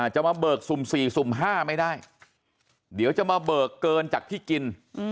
จะมาเบิกสุ่ม๔สุ่ม๕ไม่ได้เดี๋ยวจะมาเบิกเกินจากที่กิน